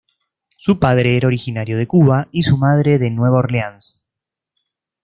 Su padre era originario de Cuba y su madre de Nueva Orleans.